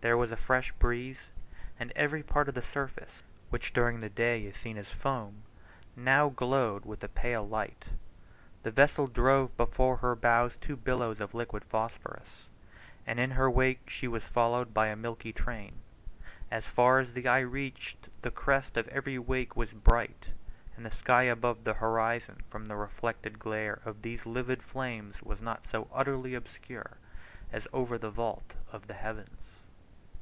There was a fresh breeze, and every part of the surface, which during the day is seen as foam, now glowed with a pale light. The vessel drove before her bows two billows of liquid phosphorus, and in her wake she was followed by a milky train. As far as the eye reached, the crest of every wave was bright, and the sky above the horizon, from the reflected glare of these livid flames, was not so utterly obscure as over the vault of the heavens.